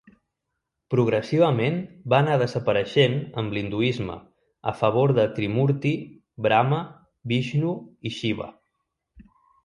Progressivament va anar desapareixent amb l'hinduisme a favor de Trimurti, Brama, Vixnu i Xiva.